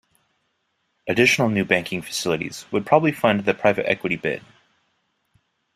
Additional new banking facilities would probably fund the private-equity bid.